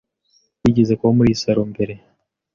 Wigeze kuba muri iyi salo mbere?